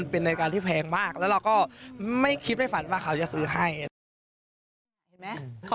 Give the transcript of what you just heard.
ใช่ค่ะไม่ค่อยมีโมเมนสไพร์